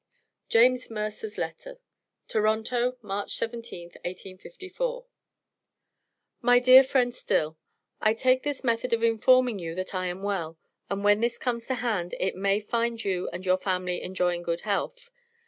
JAMES MERCER'S LETTER. TORONTO, MARCH 17th, 1854. My dear friend Still: I take this method of informing you that I am well, and when this comes to hand it may find you and your family enjoying good health.